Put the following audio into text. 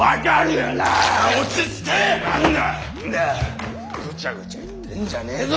ぐちゃぐちゃ言ってんじゃねーぞ